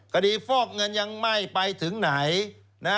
ฟอกเงินยังไม่ไปถึงไหน